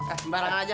eh sembarangan aja